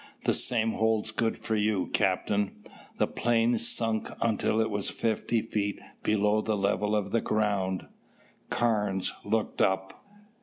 The same holds good for you, Captain." The plane sunk until it was fifty feet below the level of the ground. Carnes looked up.